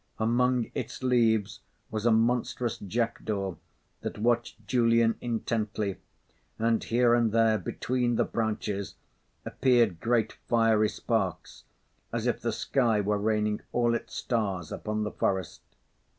Among its leaves was a monstrous jackdaw that watched Julian intently, and here and there, between the branches, appeared great, fiery sparks as if the sky were raining all its stars upon the forest.